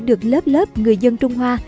được lớp lớp người dân trung hoa